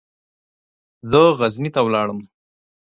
زه غزني ته ولاړم.